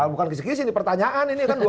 bukan kesekisinya ini pertanyaan ini kan dua puluh